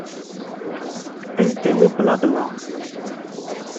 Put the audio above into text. Ad as-d-tawi blabla.